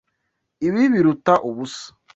Ibi biruta ubusa.